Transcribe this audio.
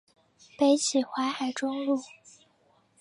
北起淮海中路。